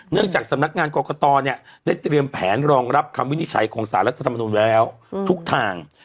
จากสำนักงานกรกตเนี่ยได้เตรียมแผนรองรับคำวินิจฉัยของสารรัฐธรรมนุนไว้แล้วทุกทาง